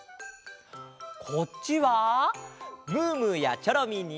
こっちはムームーやチョロミーに。